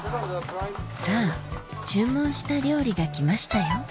さぁ注文した料理が来ましたよ